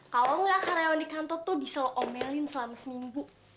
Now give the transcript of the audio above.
kalo nggak karyawan di kantor tuh bisa lo omelin selama seminggu